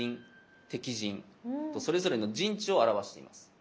それぞれの陣地を表しています。